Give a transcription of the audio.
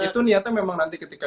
itu niatnya memang nanti ketika